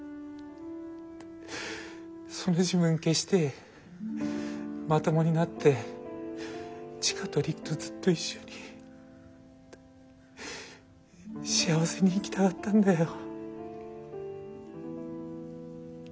その自分消してまともになって千佳と璃久とずっと一緒に幸せに生きたかったんだよ。